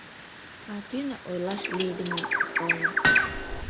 А тӱнӧ ойлаш лийдымын сылне.